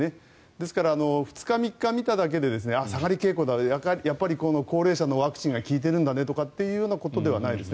ですから２日、３日見ただけで下がり傾向だやっぱり高齢者のワクチンが効いてるんだねということではないですね。